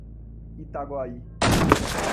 Itaguaí